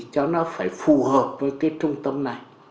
cho nó phải phù hợp với cái trung tâm này